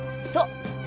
そう。